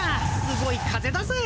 すごい風だぜ。